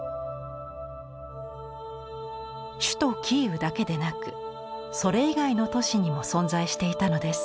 首都キーウだけでなくそれ以外の都市にも存在していたのです。